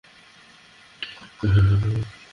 তা আর বলতে!